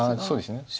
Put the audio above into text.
そうですね。